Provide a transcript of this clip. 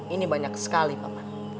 ini banyak sekali paman